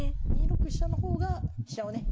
２六飛車の方が飛車をね